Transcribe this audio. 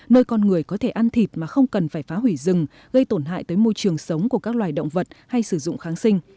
nơi con người có thể ăn thịt mà không cần phải phá hủy rừng gây tổn hại tới môi trường sống của các loài động vật hay sử dụng kháng sinh